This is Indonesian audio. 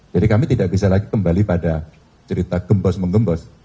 jadi kami tidak bisa lagi kembali pada cerita gembos mengembos